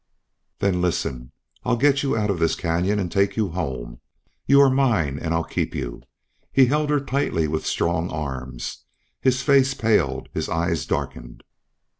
"Then listen. I'll get you out of this canyon and take you home. You are mine and I'll keep you." He held her tightly with strong arms; his face paled, his eyes darkened.